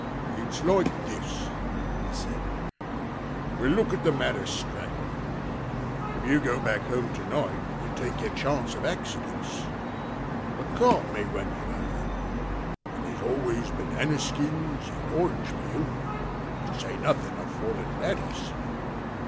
"It's like this," he said, "We'll look at the matter straight. If you go back home to night, you take your chance of accidents. A cart may run you over, and there's always banana skins and orange peel, to say nothing of falling ladders."